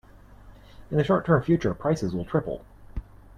In the short term future, prices will triple.